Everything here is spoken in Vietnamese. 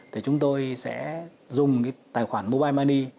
thì chúng tôi sẽ dùng tài khoản mobile money